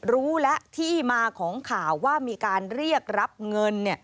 รู้และที่มาของข่าวว่ามีการเรียกรับเงิน